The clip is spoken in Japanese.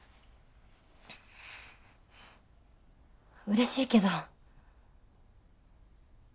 うれしいけど。